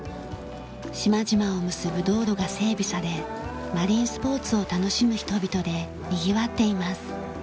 島々を結ぶ道路が整備されマリンスポーツを楽しむ人々でにぎわっています。